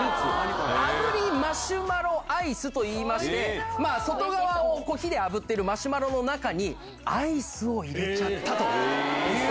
炙りマシュマロアイスといいまして外側を火で炙ってるマシュマロの中にアイスを入れちゃったという。